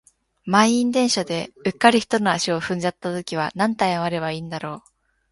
満員電車で、うっかり人の足を踏んじゃった時はなんて謝ればいいんだろう。